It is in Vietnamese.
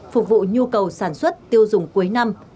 phục vụ nhu cầu sản xuất tiêu dùng cuối năm